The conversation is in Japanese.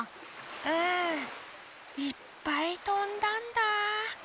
うんいっぱいとんだんだあ。